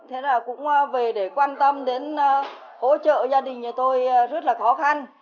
thế là cũng về để quan tâm đến hỗ trợ gia đình nhà tôi rất là khó khăn